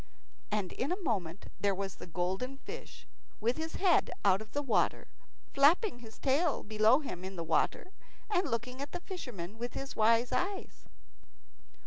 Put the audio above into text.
And in a moment there was the golden fish with his head out of the water, flapping his tail below him in the water, and looking at the fisherman with his wise eyes.